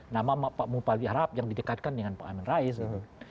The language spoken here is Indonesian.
nama pak mubali harab yang didekatkan dengan pak amin rais gitu